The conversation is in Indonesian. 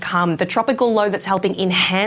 tahan tropikal yang membantu menguatkan hujan